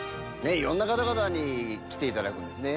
いろんな方々に来ていただくんですね